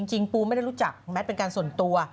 ปูไม่ได้รู้จักแมทเป็นการส่วนตัว